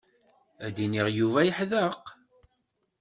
Ad d-iniɣ Yuba yeḥdeq.